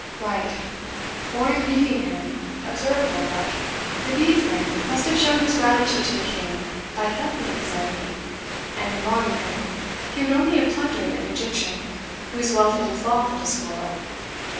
"Right for, in beating him," observed Oldbuck, "the bedesman must have shown his gratitude to the king by thumping his enemy; and in robbing him, he would only have plundered an Egyptian, whose wealth it is lawful to spoil.